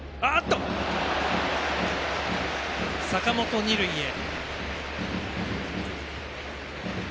坂本、二塁へ。